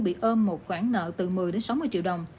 bị ôm một quản nợ từ một mươi sáu mươi triệu đồng